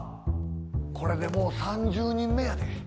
これでもう３０人目やで。